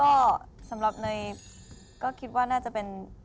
ก็สำหรับเนยก็คิดว่าน่าจะเป็น